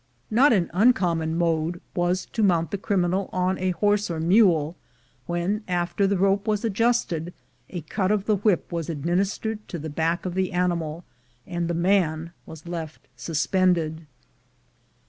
Not an uncommon mode was, to mount the crimi nal on a horse or mule, when, after the rope was ad justed, a cut of a whip was administered to the back of the animal, and the man was left suspended.